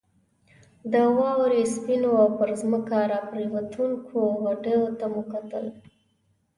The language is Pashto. د واورې سپینو او پر ځمکه راپرېوتونکو غټیو ته مو کتل.